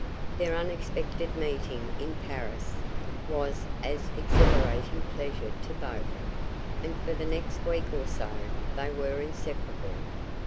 Their unexpected meeting in Paris, was as exhilarating pleasure to both, and for the next week or so they were inseparable.